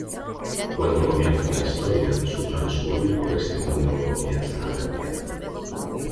Cuando comienza la historia su transcurrir por este mundo comienza a cambiar.